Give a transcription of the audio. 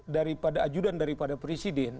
daripada ajudan daripada presiden